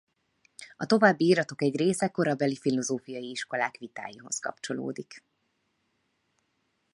A további iratok egy része korabeli filozófiai iskolák vitáihoz kapcsolódik.